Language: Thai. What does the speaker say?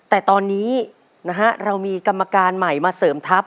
แต่ตอนนี้นะฮะเรามีกรรมการใหม่มาเสริมทัพ